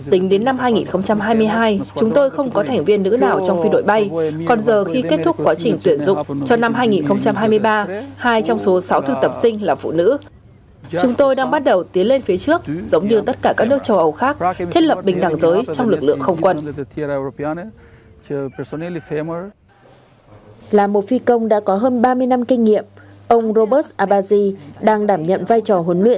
tính đến năm hai nghìn hai mươi hai chúng tôi không có thành viên nữ nào trong phi đội bay còn giờ khi kết thúc quá trình tuyển dục cho năm hai nghìn hai mươi ba hai trong số sáu thư tập sinh là phụ nữ